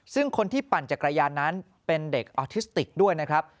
ซึ่งคนที่ปั่นจักรยานนั้นเป็นเด็กออทิสติกด้วยนะครับ